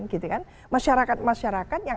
gitu kan masyarakat masyarakat yang